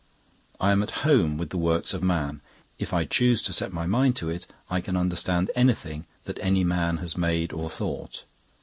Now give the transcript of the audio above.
I am at home with the works of man; if I choose to set my mind to it, I can understand anything that any man has made or thought.